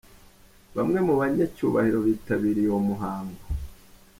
Bamwe mu banyacyubahiro bitabiriye uwo muhango.